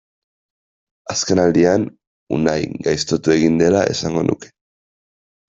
Azkenaldian Unai gaiztotu egin dela esango nuke.